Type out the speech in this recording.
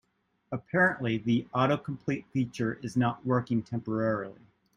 Apparently, the autocomplete feature is not working temporarily.